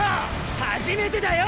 初めてだよ！